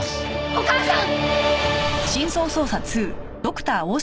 お母さん！